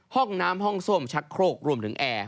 ห้องน้ำห้องส้มชักโครกรวมถึงแอร์